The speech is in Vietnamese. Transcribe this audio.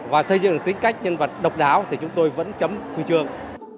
và xây dựng được tính cách nhân vật độc đáo thì chúng tôi vẫn chấm khuyên chương